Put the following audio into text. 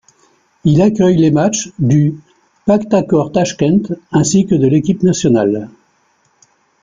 Il accueille les matchs du Pakhtakor Tachkent, ainsi que de l'équipe nationale.